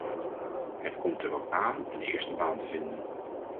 Het komt erop aan een eerste baan te vinden.